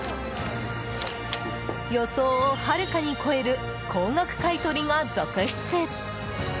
予想をはるかに超える高額買い取りが続出！